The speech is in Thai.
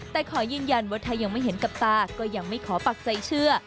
แต่ขอยืนยันว่าถ้ายังไม่เห็นกับตาก็ยังไม่ขอปักใจเชื่อ